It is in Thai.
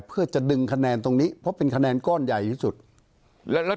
เพื่อจะดึงคะแนนตรงนี้เพราะเป็นคะแนนก้อนใหญ่ที่สุดแล้วแล้ว